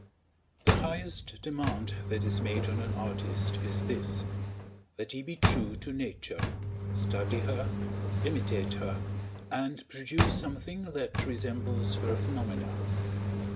The highest demand that is made on an artist is this: that he be true to Nature, study her, imitate her, and produce something that resembles her phenomena.